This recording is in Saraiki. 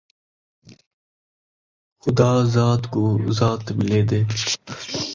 خدا ذات کوں ذات ملین٘دے